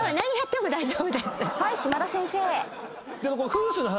はい島田先生。